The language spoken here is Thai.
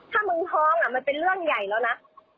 ถ้ามึงท้องมันเป็นเรื่องใหญ่แล้วนะ